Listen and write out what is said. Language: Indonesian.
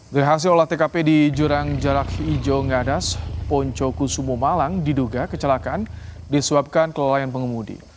dari hasil olah tkp di jurang jarak ijo ngadas poncokusumo malang diduga kecelakaan disebabkan kelalaian pengemudi